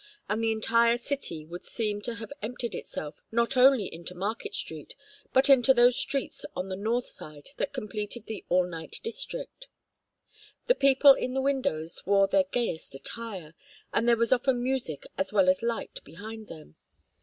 And the entire city would seem to have emptied itself not only into Market Street, but into those streets on the north side that completed the "all night district." The people in the windows wore their gayest attire, and there was often music as well as light behind them.